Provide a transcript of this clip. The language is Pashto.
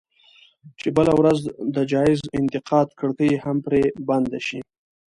چې بله ورځ د جايز انتقاد کړکۍ هم پرې بنده شي.